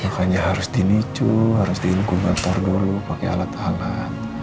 bukannya harus dinicu harus diinkubator dulu pakai alat alat